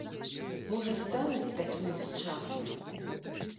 Можа, стануць такімі з часам.